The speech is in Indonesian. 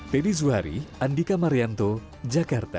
teddy zuhari andika marianto jakarta